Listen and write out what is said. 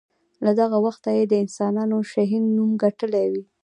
له دغه وخته یې د انسانانو د شهین نوم ګټلی وي.